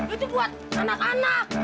itu buat anak anak